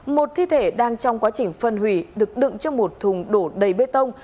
một thi thể đang trong quá trình phân hủy được đựng trong một thùng đổ đầy bê tông